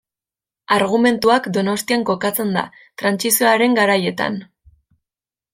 Argumentuak Donostian kokatzen da, Trantsizioaren garaietan.